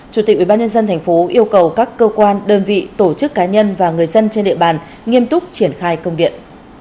chủ tịch ubnd tp yêu cầu các cơ quan đơn vị tổ chức cá nhân và người dân trên địa bàn nghiêm túc triển khai công điện